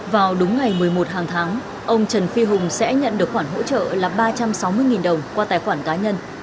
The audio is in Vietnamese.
vào đúng ngày một mươi một hàng tháng ông trần phi hùng sẽ nhận được khoản hỗ trợ là ba trăm sáu mươi đồng qua tài khoản cá nhân